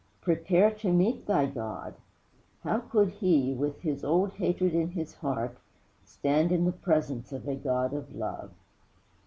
_' 'Prepare to Meet thy God!' How could he, with his old hate in his heart, stand in the presence of a God of Love?